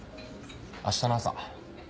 明日の朝。